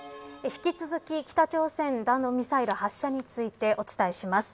引き続き北朝鮮弾道ミサイル発射についてお伝えします。